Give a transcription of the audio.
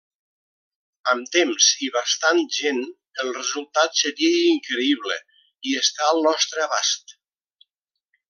Amb temps i bastant gent el resultat seria increïble, i està al nostre abast.